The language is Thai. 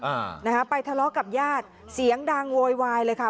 อ่านะฮะไปทะเลาะกับญาติเสียงดังโวยวายเลยค่ะ